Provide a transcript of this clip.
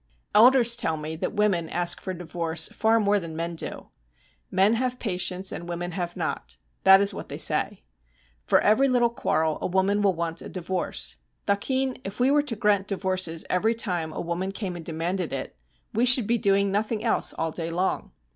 Elders tell me that women ask for divorce far more than men do. 'Men have patience, and women have not,' that is what they say. For every little quarrel a woman will want a divorce. 'Thakin, if we were to grant divorces every time a woman came and demanded it, we should be doing nothing else all day long.